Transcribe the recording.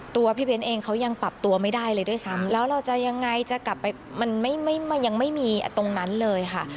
ตัวพี่เบ้นเองเขายังปรับตัวไม่ได้เลยด้วยซ้ำแล้วเราจะยังไงจะกลับไปมันยังไม่มีตรงนั้นเลยค่ะ